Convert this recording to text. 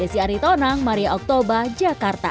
desi aritonang maria oktober jakarta